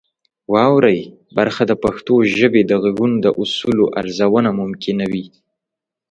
واورئ برخه د پښتو ژبې د غږونو د اصولو ارزونه ممکنوي.